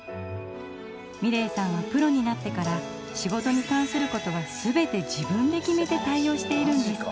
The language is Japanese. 美礼さんはプロになってから仕事に関することは全て自分で決めて対応しているんです。